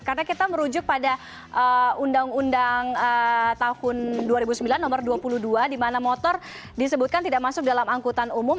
karena kita merujuk pada undang undang tahun dua ribu sembilan nomor dua puluh dua di mana motor disebutkan tidak masuk dalam angkutan umum